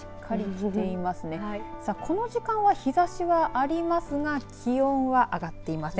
さあ、この時間は日ざしはありますが気温は上がっていません。